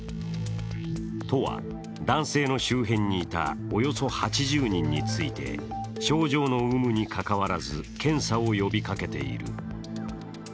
都は男性の周辺にいたおよそ８０人について症状の有無にかかわらず、検査を呼びかけている。